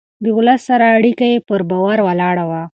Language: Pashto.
د ولس سره اړيکه يې پر باور ولاړه وه.